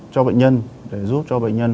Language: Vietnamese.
cho bệnh nhân để giúp cho bệnh nhân